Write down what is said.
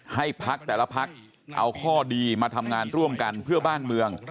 ให้พักแต่ละพักเอาข้อดีมาทำงานร่วมกันเพื่อบ้านเมือง